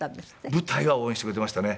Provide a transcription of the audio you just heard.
舞台は応援してくれてましたね。